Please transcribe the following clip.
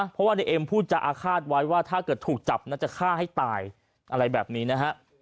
เพราะว่าในเอ็มพูดจะอาฆาตไว้ว่าถ้าเกิดถูกจับน่าจะฆ่าให้ตายอะไรแบบนี้นะฮะ